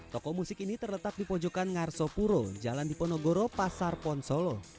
toko musik ini terletak di pojokan ngarso puro jalan diponegoro pasar ponsolo